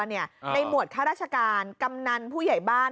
ในหมวดข้าราชการกำนันผู้ใหญ่บ้าน